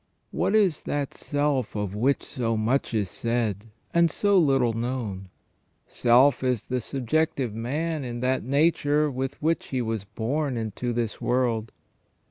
What is that self of which so much is said and so little known ? Self is the subjective man in that nature with which he was born into this world.